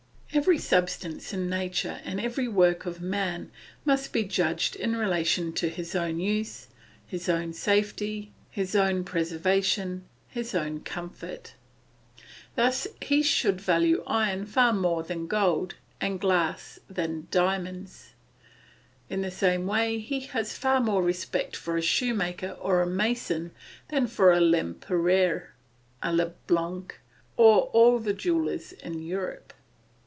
Every substance in nature and every work of man must be judged in relation to his own use, his own safety, his own preservation, his own comfort. Thus he should value iron far more than gold, and glass than diamonds; in the same way he has far more respect for a shoemaker or a mason than for a Lempereur, a Le Blanc, or all the jewellers in Europe.